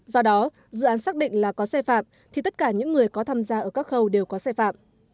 do đó dự án xác định là có xe phạm thì tất cả những người có tham gia ở các khâu đều có xe phạm